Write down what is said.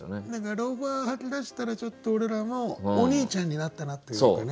ローファー履きだしたらちょっと俺らもおにいちゃんになったなっていうかね。